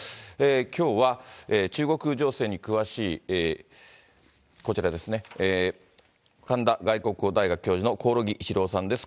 きょうは中国情勢に詳しい、こちらですね、神田外国語大学教授の、興梠一郎さんです。